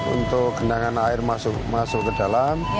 untuk genangan air masuk ke dalam